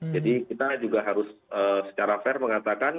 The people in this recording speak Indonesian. jadi kita juga harus secara fair mengatakan